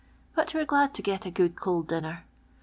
But we 're glad to get a good ci.'Kl dinner.